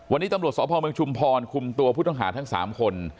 วันนี้ตำรวจสพเมืองชุมพรคุมตัวผู้ต้องหาทั้ง๓คน